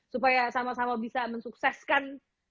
supaya sama sama bisa mensukseskan